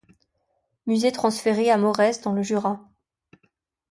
Musée transféré à Morez dans le Jura.